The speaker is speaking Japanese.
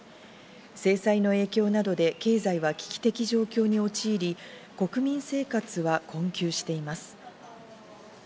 制裁の影響などで経済は危機的状況に陥り、国民生活は困窮しています。